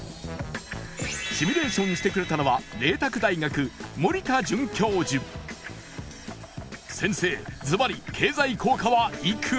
シミュレーションしてくれたのは先生ズバリ経済効果はいくら？